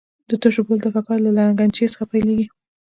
د تشو بولو دفع کول له لګنچې څخه پیلېږي.